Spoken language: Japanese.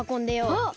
あっ！